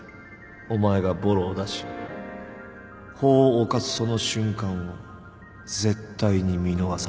お前がボロを出し法を犯すその瞬間を絶対に見逃さない